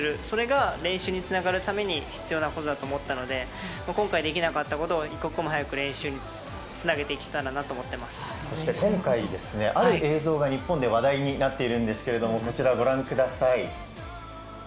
それが練習につながるために必要なことだと思ったので今回できなかったことを一刻も早く練習に繋げたらなとそして今回、ある映像が日本で話題になっているんですがこちら、ご覧ください。